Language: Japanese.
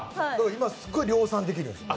今すごい量産できるんですよ